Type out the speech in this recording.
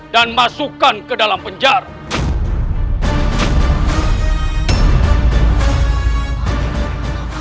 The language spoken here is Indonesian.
dan masukkan ke dalam penjara